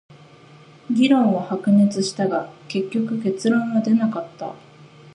議論は白熱したが、結局結論は出なかった。